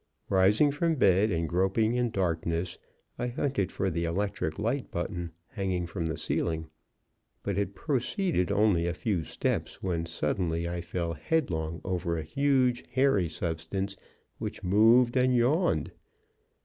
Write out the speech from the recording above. Rising from bed and groping in darkness, I hunted for the electric light button hanging from the ceiling, but had proceeded only a few steps when, suddenly, I fell headlong over a huge, hairy substance, which moved and yawned.